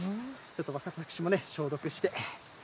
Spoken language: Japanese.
ちょっと私もね、消毒して。